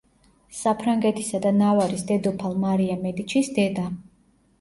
საფრანგეთისა და ნავარის დედოფალ მარია მედიჩის დედა.